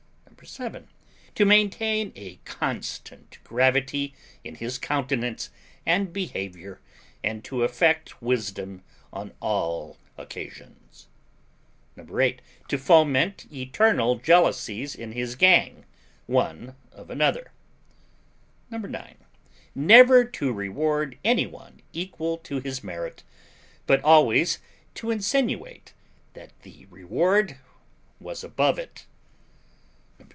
7. To maintain a constant gravity in his countenance and behaviour, and to affect wisdom on all occasions. 8. To foment eternal jealousies in his gang, one of another. 9. Never to reward any one equal to his merit; but always to insinuate that the reward was above it.